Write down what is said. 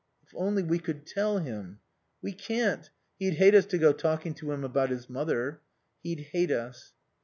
"If only we could tell him " "We can't. He'd hate us to go talking to him about his mother." "He'd hate us."